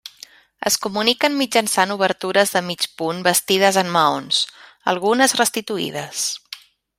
Es comuniquen mitjançant obertures de mig punt bastides en maons, algunes restituïdes.